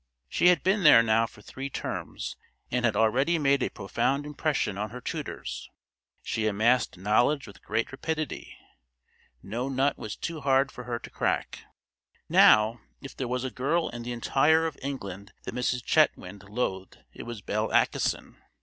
She had been there now for three terms, and had already made a profound impression on her tutors. She amassed knowledge with great rapidity. No nut was too hard for her to crack. Now, if there was a girl in the entire of England that Mrs. Chetwynd loathed it was Belle Acheson.